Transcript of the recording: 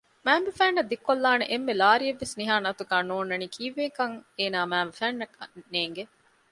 މައިންބަފައިންނަށް ދިއްކޮލާނެ އެންމެ ލާރިއެއްވެސް ނިހާން އަތުގާ ނޯންނަނީ ކީއްވެކަން އޭނާ މައިންބަފައިންނަށް އެނގެ